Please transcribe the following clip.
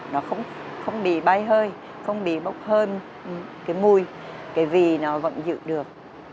nó không bị bay hơi không bị bốc hơi cái mùi cái vì nó vẫn giữ được